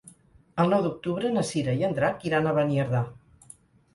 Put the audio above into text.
El nou d'octubre na Cira i en Drac iran a Beniardà.